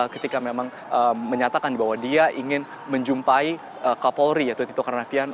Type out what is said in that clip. ketika memang menyatakan bahwa dia ingin menjumpai kapolri yaitu tito karnavian